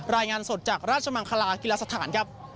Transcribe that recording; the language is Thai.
รายงานสดจากราชมังคลากีฬาสถานครับ